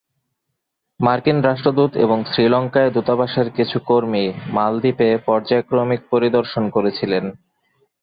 মার্কিন রাষ্ট্রদূত এবং শ্রীলঙ্কায় দূতাবাসের কিছু কর্মী মালদ্বীপে পর্যায়ক্রমিক পরিদর্শন করেছিলেন।